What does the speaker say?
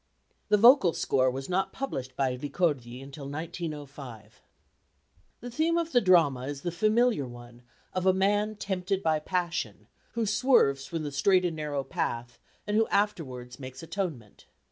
The vocal score was not published by Ricordi until 1905. The theme of the drama is the familiar one of a man tempted by passion, who swerves from the "strait and narrow path," and who afterwards makes atonement.